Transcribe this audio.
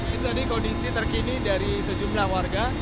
itu tadi kondisi terkini dari sejumlah warga